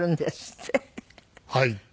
はい。